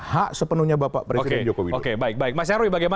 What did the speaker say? hak sepenuhnya bapak presiden jokowi